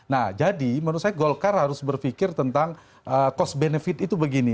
nah jadi menurut saya golkar harus berpikir tentang cost benefit itu begini